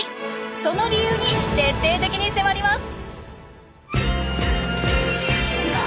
その理由に徹底的に迫ります！